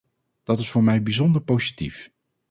Dat is voor mij bijzonder positief.